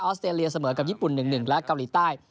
สเตรเลียเสมอกับญี่ปุ่น๑๑และเกาหลีใต้